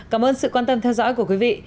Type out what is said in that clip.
cảm ơn sự quan tâm theo dõi của quý vị